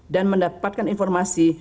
dan mendapatkan informasi